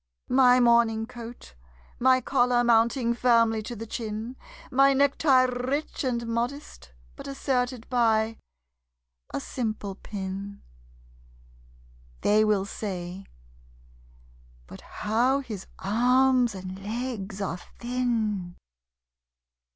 My morning coat, my collar mounting firmly to the chin, My necktie rich and modest, but asserted by a simple pin (They will say: "But how his arms and legs are thin!")